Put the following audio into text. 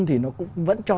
thì nó cũng vẫn cho